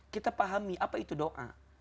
kita pahami apa itu doa